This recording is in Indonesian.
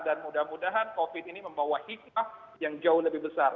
dan mudah mudahan covid ini membawa hikmah yang jauh lebih besar